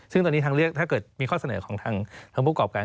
ซึ่งตอนนี้ทางเลือกถ้าเกิดมีข้อเสนอของทางผู้กรอบการ